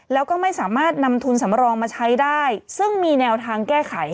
แล้วก็ไม่สามารถนำทุนสำรองมาใช้ได้ซึ่งมีแนวทางแก้ไข